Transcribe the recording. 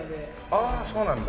ああそうなんだ。